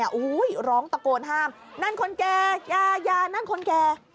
โอ้โหร้องตะโกนห้ามนั่นคนแก่ยายานั่นคนแก่